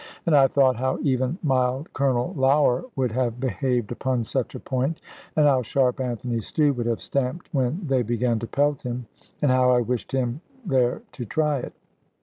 And I thought how even mild Colonel Lougher would have behaved upon such a point, and how sharp Anthony Stew would have stamped when they began to pelt him; and how I wished him there to try it!